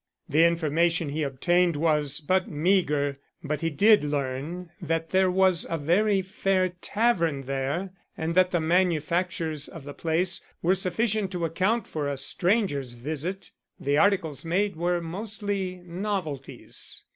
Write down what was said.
The information he obtained was but meager, but he did learn that there was a very fair tavern there and that the manufactures of the place were sufficient to account for a stranger's visit. The articles made were mostly novelties.